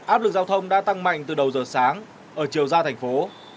áp lực giao thông đã tăng mạnh từ đầu giờ sáng ở chiều ra thành phố